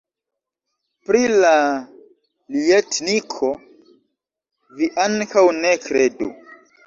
Pri la ljetniko vi ankaŭ ne kredu!